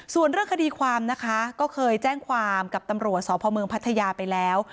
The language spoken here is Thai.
ส่วนเรื่องคดีความนะคะก็เคยแจ้งความกับตำรวจสพเมืองพัทยาไปแล้ว